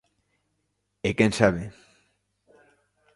E quen sabe.